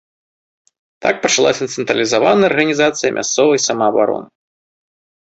Так пачалася цэнтралізаваная арганізацыя мясцовай самаабароны.